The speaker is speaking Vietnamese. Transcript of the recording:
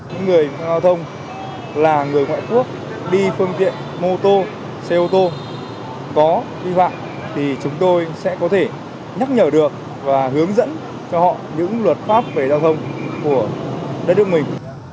những người giao thông là người ngoại quốc đi phương tiện mô tô xe ô tô có vi phạm thì chúng tôi sẽ có thể nhắc nhở được và hướng dẫn cho họ những luật pháp về giao thông của đất nước mình